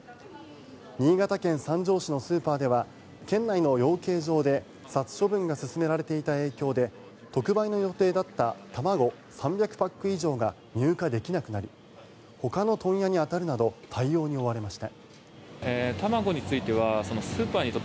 新潟県三条市のスーパーでは県内の養鶏場で殺処分が進められていた影響で特売の予定だった卵３００パック以上が入荷できなくなりほかの問屋に当たるなど対応に追われました。